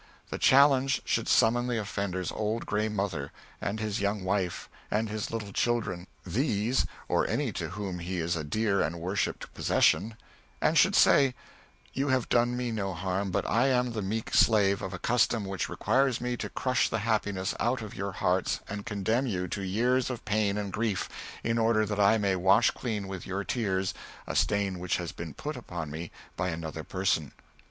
The challenge should summon the offender's old gray mother, and his young wife and his little children, these, or any to whom he is a dear and worshipped possession and should say, "You have done me no harm, but I am the meek slave of a custom which requires me to crush the happiness out of your hearts and condemn you to years of pain and grief, in order that I may wash clean with your tears a stain which has been put upon me by another person."